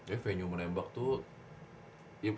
ya venue menembak tuh